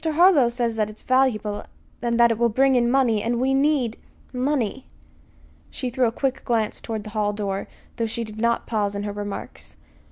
Harlow says that it is valuable, and that it will bring in money; and we need money." She threw a quick glance toward the hall door, though she did not pause in her remarks.